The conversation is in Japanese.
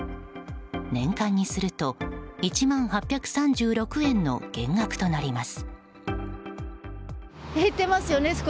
年間にすると１万８３６円の減額となります。